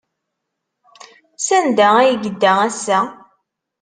Sanda ay yedda ass-a?